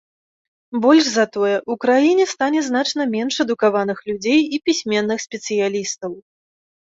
Больш за тое, у краіне стане значна менш адукаваных людзей і пісьменных спецыялістаў.